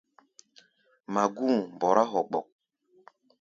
Magú̧u̧ mbɔrá hogbok.